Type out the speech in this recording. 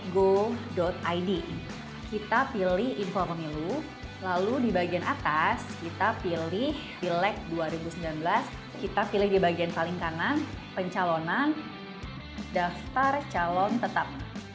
go id kita pilih info pemilu lalu di bagian atas kita pilih pileg dua ribu sembilan belas kita pilih di bagian paling kanan pencalonan daftar calon tetap